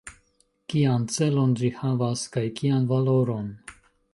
Kian celon ĝi havas, kaj kian valoron?